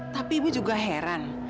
tapi ibu juga heran